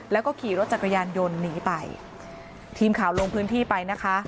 แล้วก็ขี่รถจักรยานยนต์หนีไปทีมข่าวลงพื้นที่ไปนะคะ